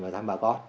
và thăm bà con